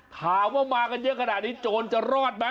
ถามว่ามากันเยอะขนาดนี้โจรจะรอดไหม